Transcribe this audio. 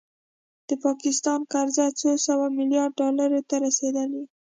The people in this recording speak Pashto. د پاکستان قرضه څو سوه میلیارده ډالرو ته رسیدلې